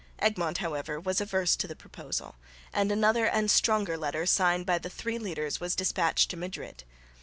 Egmont however was averse to the proposal, and another and stronger letter signed by the three leaders was despatched to Madrid.